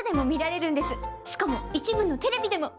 しかも一部のテレビでも。